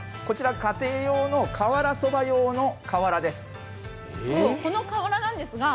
こちら、家庭用の瓦そば用の瓦です。